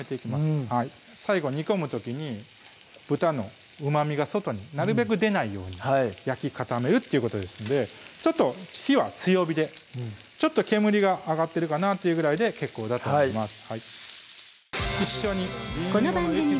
うん最後煮込む時に豚のうまみが外になるべく出ないように焼き固めるっていうことですのでちょっと火は強火でちょっと煙が上がってるかなというぐらいで結構だと思います